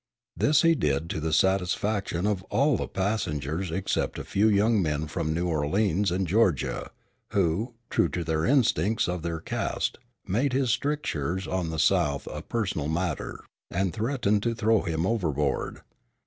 This he did to the satisfaction of all the passengers except a few young men from New Orleans and Georgia, who, true to the instincts of their caste, made his strictures on the South a personal matter, and threatened to throw him overboard.